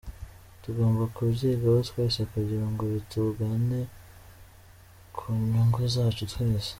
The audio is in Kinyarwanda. Tugomba kubyigaho twese kugira ngo bitungane ku nyungu zacu twese”.